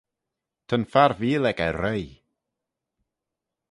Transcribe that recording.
Ta'n farveeal echey ruy.